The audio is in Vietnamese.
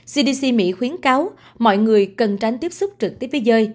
cdc mỹ khuyến cáo mọi người cần tránh tiếp xúc trực tiếp với rơi